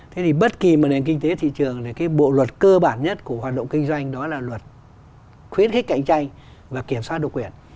thế thì bất kỳ một nền kinh tế thị trường này cái bộ luật cơ bản nhất của hoạt động kinh doanh đó là luật khuyến khích cạnh tranh và kiểm soát độc quyền